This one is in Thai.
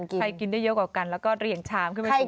กินได้เยอะกว่ากันแล้วก็เหรียงชามขึ้นไปกิน